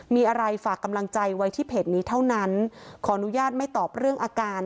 มีอะไรฝากกำลังใจไว้ที่เพจนี้เท่านั้นขออนุญาตไม่ตอบเรื่องอาการ